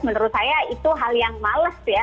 menurut saya itu hal yang males ya